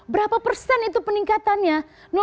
berapa persen itu peningkatannya